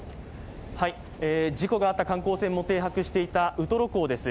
事故があった観光船も停泊していたウトロ港です。